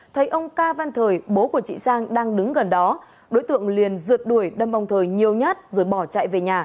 thấy ông ca văn thời bố của chị sang đang đứng gần đó đối tượng liền rượt đuổi đâm ông thời nhiều nhát rồi bỏ chạy về nhà